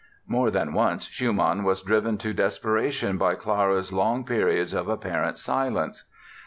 More than once Schumann was driven to desperation by Clara's long periods of apparent silence.